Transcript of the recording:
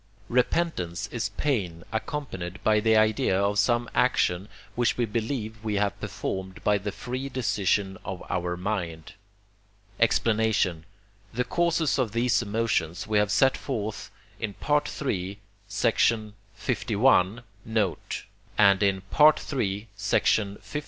Repentance is pain accompanied by the idea of some action, which we believe we have performed by the free decision of our mind. Explanation The causes of these emotions we have set forth in III. li. note, and in III. liii.